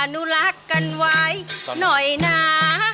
นุรักษ์กันไว้หน่อยนะ